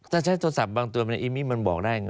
ถ้าใช้โทรศัพท์บางตัวมันบอกได้